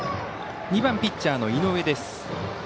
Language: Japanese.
２番ピッチャーの井上です。